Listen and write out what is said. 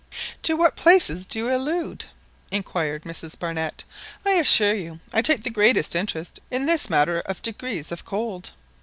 "To what places do you allude?" inquired Mrs Barnett; "I assure you I take the greatest interest in this matter of degrees of cold."